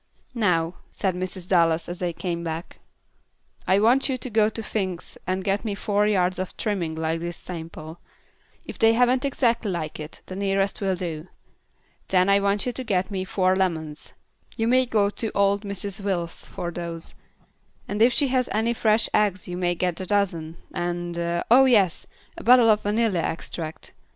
"Now," said Mrs. Dallas, as they came back, "I want you to go to Fink's and get me four yards of trimming like this sample; if they haven't exactly like it, the nearest will do. Then I want you to get me four lemons. You may go to old Mrs. Wills for those, and if she has any fresh eggs you may get a dozen, and oh, yes, a bottle of vanilla extract.